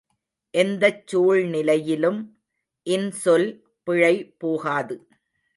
எந்தச் சூழ்நிலையிலும் இன்சொல் பிழைபோகாது.